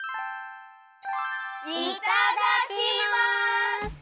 いただきます！